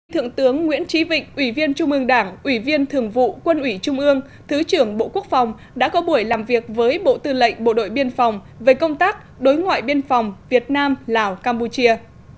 thượng tướng nguyễn trí vịnh ủy viên trung ương đảng ủy viên thường vụ quân ủy trung ương thứ trưởng bộ quốc phòng đã có buổi làm việc với bộ tư lệnh bộ đội biên phòng về công tác đối ngoại biên phòng việt nam lào campuchia